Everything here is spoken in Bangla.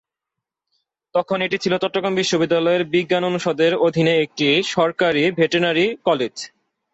তখন এটি ছিল চট্টগ্রাম বিশ্ববিদ্যালয়ের বিজ্ঞান অনুষদের অধীনে একটি সরকারী ভেটেরিনারি কলেজ।